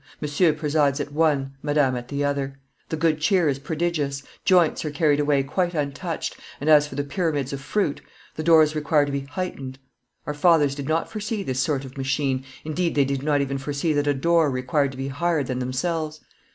Monsieur presides at one, Madame at the other. The good cheer is prodigious; joints are carried away quite untouched, and as for the pyramids of fruit, the doors require to be heightened. Our fathers did not foresee this sort of machine, indeed they did not even foresee that a door required to be higher than themselves.